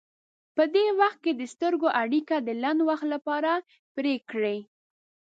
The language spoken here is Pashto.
په دې وخت کې د سترګو اړیکه د لنډ وخت لپاره پرې کړئ.